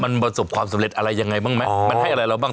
มันประสบความสำเร็จอะไรยังไงบ้างไหมมันให้อะไรเราบ้าง